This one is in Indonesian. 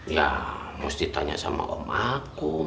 ya mesti tanya sama om aku